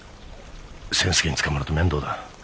千助に捕まると面倒だ。